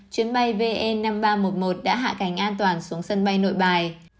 chuyến bay vn năm nghìn ba trăm một mươi một đã hạ cánh an toàn xuống sân bay nội bài